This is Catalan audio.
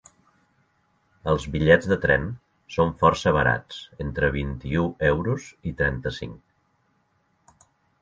Els bitllets de tren són força barats, entre vint-i-u euros i trenta-cinc.